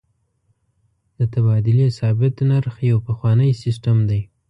د تبادلې ثابت نرخ یو پخوانی سیستم دی.